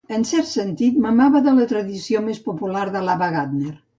En un cert sentit, mamava de la tradició més popular de l'Ava Gardner.